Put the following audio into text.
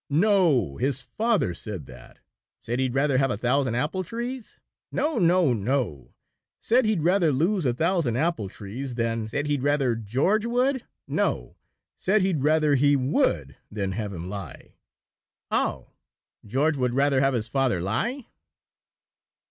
"No; his father said that." "Said he'd rather have a thousand apple trees?" "No, no, no; said he'd rather lose a thousand apple trees than " "Said he'd rather George would?" "No; said he'd rather he would than have him lie." "Oh, George would rather have his father lie?"